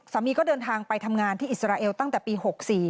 ก็เดินทางไปทำงานที่อิสราเอลตั้งแต่ปี๖๔